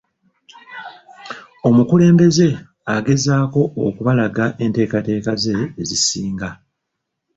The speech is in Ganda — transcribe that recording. Omukulembeze agezaako okubalaga enteekateeka ze ezisinga.